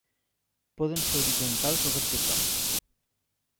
Poden ser horitzontals o verticals.